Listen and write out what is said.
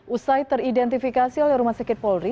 usai teridentifikasi oleh rumah sakit polri